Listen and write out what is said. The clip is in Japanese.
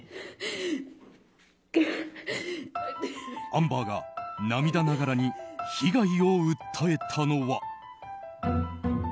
アンバーが涙ながらに被害を訴えたのは。